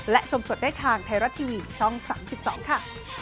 และชมสดได้ทางไทยรัฐทีวีช่อง๓๒ค่ะ